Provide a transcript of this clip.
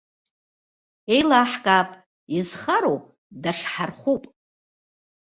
Еилаҳкаап, изхароу, дахьҳархуп!